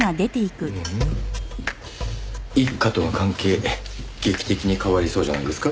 一課との関係劇的に変わりそうじゃないですか？